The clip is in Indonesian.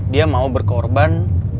dia mau berkorban